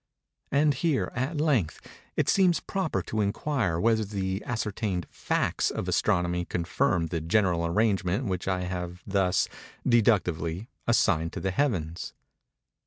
And here, at length, it seems proper to inquire whether the ascertained facts of Astronomy confirm the general arrangement which I have thus, deductively, assigned to the Heavens.